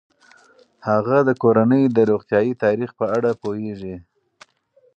هغه د کورنۍ د روغتیايي تاریخ په اړه پوهیږي.